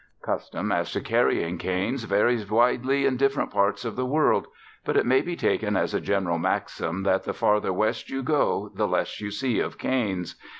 Custom as to carrying canes varies widely in different parts of the world; but it may be taken as a general maxim that the farther west you go the less you see of canes.